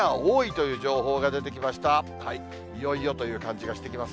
いよいよという感じがしてきます。